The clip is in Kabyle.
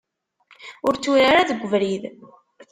Ur tturar ara deg ubrid.